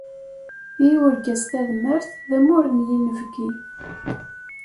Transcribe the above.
I urgaz tadmert, d amur n yinebgi.